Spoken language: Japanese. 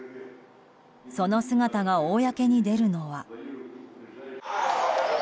その姿が公に出るのは。